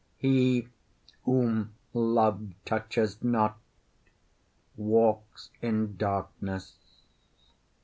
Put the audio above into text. he whom Love touches not walks in darkness.